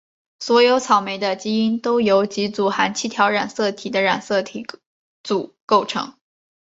所有草莓的基因都由几组含七条染色体的染色体组构成。